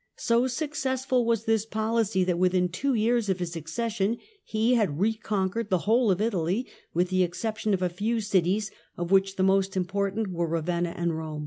So successful was this policy that within two years of his accession he had reconquered the whole of Italy with the excep tion of a few cities, of which the most important were Eavenna and Rome.